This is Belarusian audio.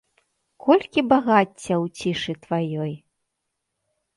Колькі багацця ў цішы тваёй.